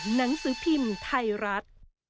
หนังสือพิมพ์ไทยรัฐ